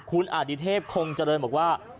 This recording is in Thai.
คุณอดิเทพคงเจริญบอกว่า